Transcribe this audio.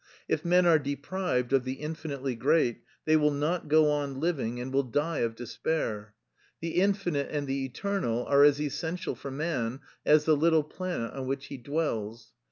If men are deprived of the infinitely great they will not go on living and will die of despair. The Infinite and the Eternal are as essential for man as the little planet on which he dwells.